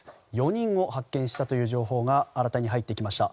４人を発見したという情報が新たに入ってきました。